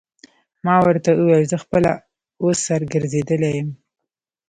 ما ورته وویل: زه خپله اوس سر ګرځېدلی یم.